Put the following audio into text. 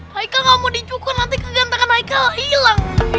haikal gak mau dicukur nanti kegantengan haikal hilang